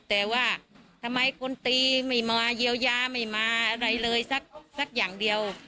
แต่ว่าทำไมคนตีไม่มาเยียวยาไม่มาอะไรเลยสักอย่างเดียว